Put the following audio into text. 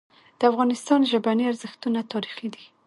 د افغانستان ژبني ارزښتونه تاریخي دي.